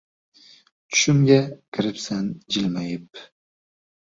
Tushimga kirasan jilmayib